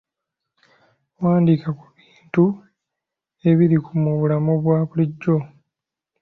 Wandiika ku bintu ebiri mu bulamu bwa bulijjo.